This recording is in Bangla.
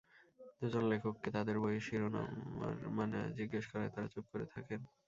দুজন লেখককে তাদের বইয়ের শিরনামার মানে জিজ্ঞেস করায় তাঁরা চুপ করে থাকেন।